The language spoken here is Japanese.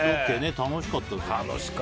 楽しかったですね。